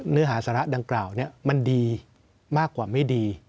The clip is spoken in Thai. เนื้อหาสาระดังกล่าวมันดีมากกว่าไม่ดี